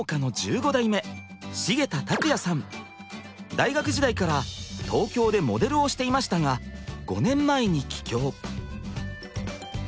大学時代から東京でモデルをしていましたが５年前に帰郷。